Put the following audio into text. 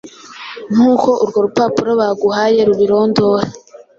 nkuko urwo rupapuro baguhaye rubirondora.